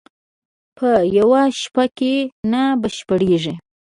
چې په یوه شپه کې نه بشپړېږي